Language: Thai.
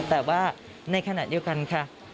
แต่ว่าในขณะเดียวกันค่ะ